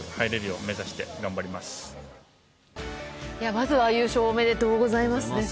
まずは優勝おめでとうございます。